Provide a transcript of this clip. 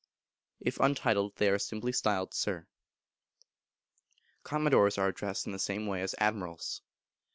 If untitled, they are simply styled Sir. Commodores are addressed in the same way as admirals.